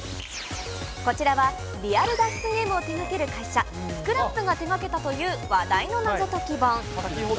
こちらはリアル脱出ゲームを手がける会社、スクラップが手がけたという話題の謎解き本。